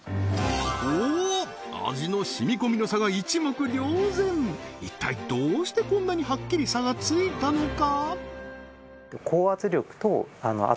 おおっ味の染み込みの差が一目瞭然一体どうしてこんなにはっきり差がついたのか？